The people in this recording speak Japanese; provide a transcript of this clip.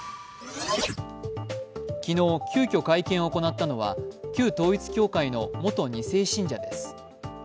昨日、急きょ会見を行ったのは旧統一教会の元２世信者です。